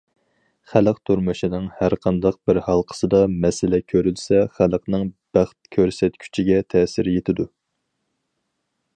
خەلق تۇرمۇشىنىڭ ھەر قانداق بىر ھالقىسىدا مەسىلە كۆرۈلسە خەلقنىڭ بەخت كۆرسەتكۈچىگە تەسىر يېتىدۇ.